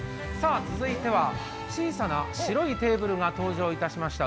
続いては小さな白いテーブルが登場いたしました。